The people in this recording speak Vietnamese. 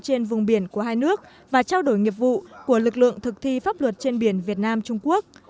trên vùng biển của hai nước và trao đổi nghiệp vụ của lực lượng thực thi pháp luật trên biển việt nam trung quốc